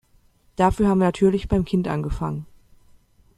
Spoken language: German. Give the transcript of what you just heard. Dafür haben wir natürlich beim Kind angefangen.